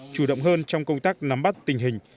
chủ động hơn trong công tác nắm bắt tình hình